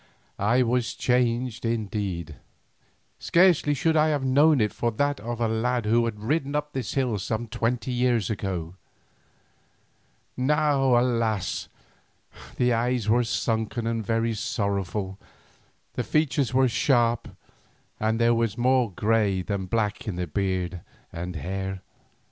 I was changed indeed, scarcely should I have known it for that of the lad who had ridden up this hill some twenty years ago. Now, alas! the eyes were sunken and very sorrowful, the features were sharp, and there was more grey than black in the beard and hair.